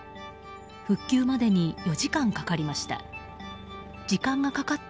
復旧までに４時間かかりました。